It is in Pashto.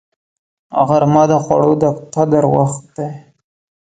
غرمه د خوړو د قدر وخت دی